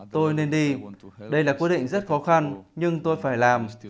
tôi nên đi đây là quyết định rất khó khăn nhưng tôi phải làm